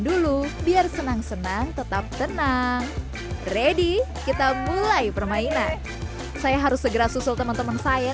dulu biar senang senang tetap tenang ready kita mulai permainan saya harus segera susul teman teman saya